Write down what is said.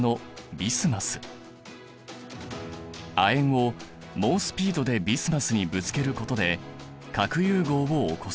亜鉛を猛スピードでビスマスにぶつけることで核融合を起こす。